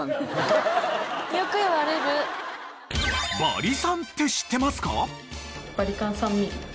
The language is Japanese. バリ３って知ってますか？